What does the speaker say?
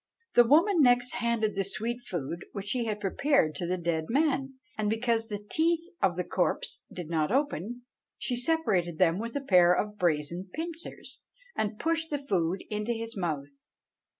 "The woman next handed the sweet food which she had prepared to the dead man, and because the teeth of the corse did not open, she separated them with a pair of brazen pincers, and pushed the food into his mouth.